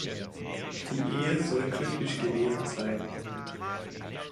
Die Ehe soll glücklich gewesen sein.